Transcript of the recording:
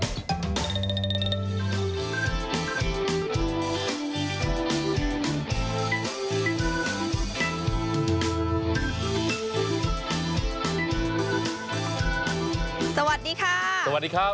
สวัสดีค่ะสวัสดีครับ